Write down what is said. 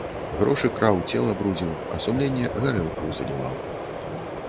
Грошы краў, цела брудзіў, а сумленне гарэлкаю заліваў.